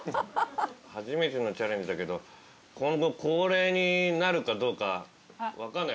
初めてのチャレンジだけど今後恒例になるかどうか分かんない。